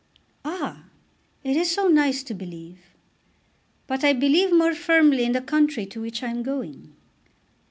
"Ah; it is so nice to believe." "But I believe more firmly in the country to which I am going."